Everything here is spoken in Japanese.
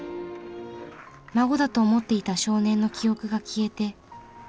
孫だと思っていた少年の記憶が消えて残された夫婦が。